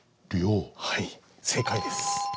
はい正解です。